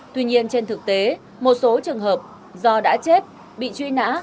tuy nhiên trên thực tế một số trường hợp do đã chết bị truy nã